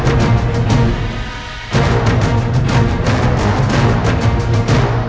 saya belum pernah akan bertemukan